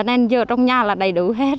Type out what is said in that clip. nên giờ trong nhà là đầy đủ hết